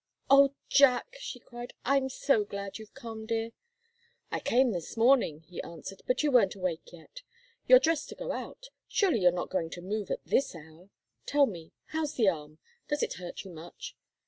"Oh, Jack!" she cried, "I'm so glad you've come, dear!" "I came this morning," he answered. "But you weren't awake yet. You're dressed to go out surely you're not going to move at this hour? Tell me how's the arm? Does it hurt you much?"